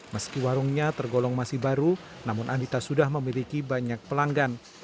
meski warungnya tergolong masih baru namun andita sudah memiliki banyak pelanggan